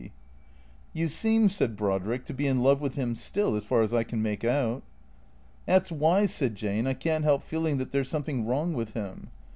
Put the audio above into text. " You seem," said Brodrick, " to be in love with him still, as far as I can make out." " That 's why," said Jane, " I can't help feeling that there 's something wrong with him.